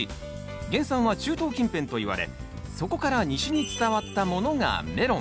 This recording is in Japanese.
原産は中東近辺といわれそこから西に伝わったものがメロン。